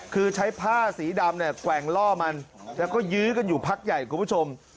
คือใช้ผ้าสีดำเนี่ยแกว่งล่อมันแล้วก็ยื้อกันอยู่พักใหญ่คุณผู้ชม